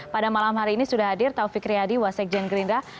pada malam hari ini sudah hadir taufik riyadi wasekjen gerindra